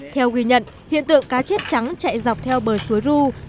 theo ghi nhận hiện tượng cá chết trắng chạy dọc theo bờ suối rưu